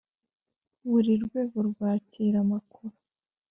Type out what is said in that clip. buri rwego rwakira amakuru